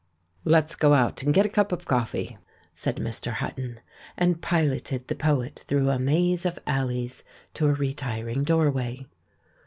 "Let's go out and get a cup of coffee," said Mr. Hutton, and piloted the poet through a maze of alleys to a retiring doorway.